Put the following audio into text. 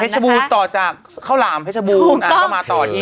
เพชรชบูนต่อจากข้าวหลามเป็นเพชรชบูนอ่าก็มาต่ออีก